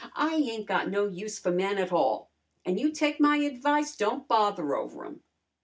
"I ain't got no use for men a tall! An' you take my advice don't bother over 'em!"